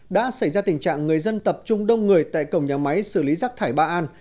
đã xảy ra tình trạng người dân tập trung đông người tại cổng nhà máy xử lý rác thải ba an